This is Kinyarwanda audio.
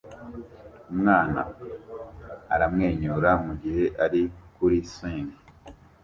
Umwana aramwenyura mugihe ari kuri swing